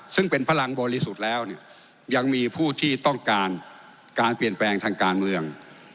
ซึ่งเป็นพลังบริสุทธิ์แล้วเนี่ยยังมีผู้ที่ต้องการการเปลี่ยนแปลงทางการเมือง